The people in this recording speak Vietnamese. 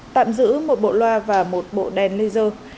tạm giữ một bộ loa và một bộ đèn laser